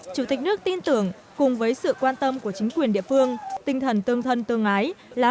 chủ tịch nước tin tưởng cùng với sự quan tâm của chính quyền địa phương tinh thần tương thân tương ái lá lành